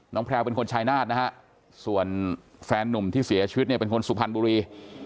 แพลวเป็นคนชายนาฏนะฮะส่วนแฟนนุ่มที่เสียชีวิตเนี่ยเป็นคนสุพรรณบุรี